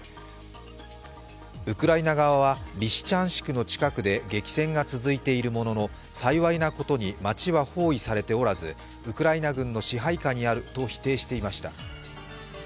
ウクライナ側はリシチャンシクの近くで激戦が続いているものの、幸いなことに街は包囲されておらずウクライナ軍の支配下にあると否定していました。